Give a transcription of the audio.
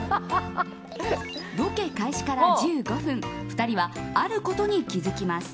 ロケ開始から１５分２人はあることに気づきます。